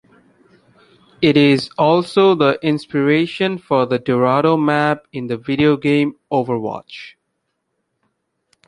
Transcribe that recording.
It is also the inspiration for the Dorado map in the video game Overwatch.